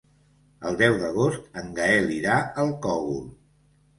El deu d'agost en Gaël irà al Cogul.